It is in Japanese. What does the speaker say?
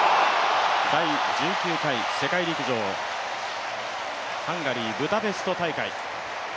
第１９回世界陸上、ハンガリー・ブダペスト大会。